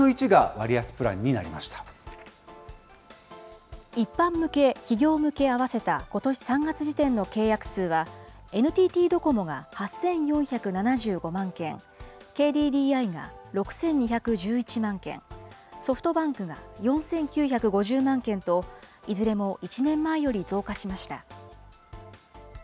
一般向けの契約の４分の１が割安プランになり一般向け、企業向け合わせたことし３月時点の契約数は、ＮＴＴドコモが８４７５万件、ＫＤＤＩが６２１１万件、ソフトバンクが４９５０万件と、いずれも１年前より増加しました。